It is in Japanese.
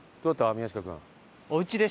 宮近君。